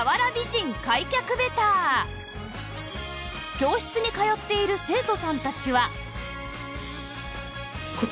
教室に通っている生徒さんたちは